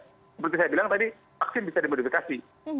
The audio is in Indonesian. seperti saya bilang tadi vaksin bisa dimodifikasi